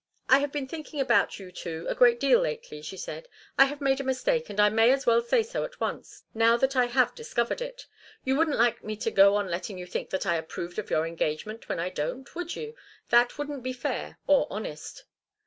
"I have been thinking about you two a great deal lately," she said. "I have made a mistake, and I may as well say so at once, now that I have discovered it. You wouldn't like me to go on letting you think that I approved of your engagement, when I don't would you? That wouldn't be fair or honest."